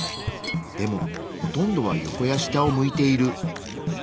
でもほとんどは横や下を向いている。